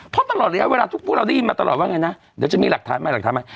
เพราะตลอดระยะเวลาทุกพวกเราได้ยินมาตลอดว่าไงนะเดี๋ยวจะมีหลักฐานใหม่หลักฐานใหม่